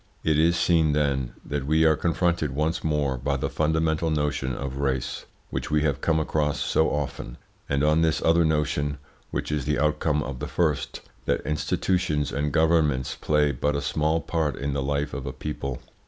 It is seen, then, that we are confronted once more by the fundamental notion of race, which we have come across so often, and on this other notion, which is the outcome of the first, that institutions and governments play but a small part in the life of a people.